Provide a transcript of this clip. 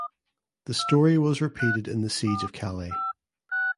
The story was repeated in the Siege of Calais.